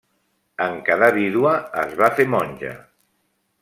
En quedar vídua es va fer monja.